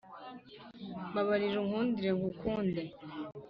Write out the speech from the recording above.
mbabarira unkundire nkukunde